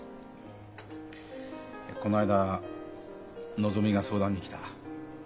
この間のぞみが相談に来た。